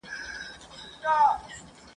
هري خواته سرې مرمۍ وې اورېدلې ..